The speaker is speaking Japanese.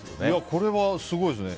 これはすごいですね。